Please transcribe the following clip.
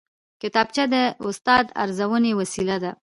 کتابچه د استاد د ارزونې وسیله ده